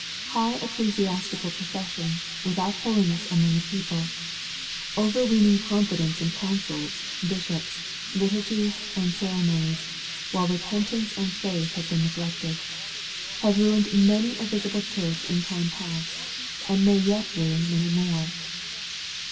; High ecclesiastical profession, without holiness among a people, — overweening confidence in councils, bishops, liturgies, and ceremonies, while repen tance and faith have been neglected, — have ruined many a visible church in time past, and may yet ruin many more.